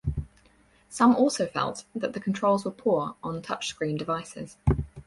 Some also felt that the controls were poor on touchscreen devices.